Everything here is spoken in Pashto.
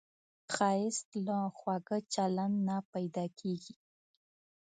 ښایست له خواږه چلند نه پیدا کېږي